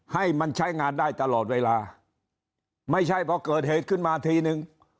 ให้มันใช้งานได้ตลอดเวลาไม่ใช่พอเกิดเหตุขึ้นมาทีนึง